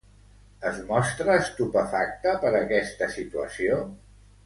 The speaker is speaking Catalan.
Es mostra estupefacta per aquesta situació?